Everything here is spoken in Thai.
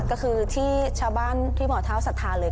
ก็คือที่ชาวบ้านที่หมอเท้าศรัทธาเลย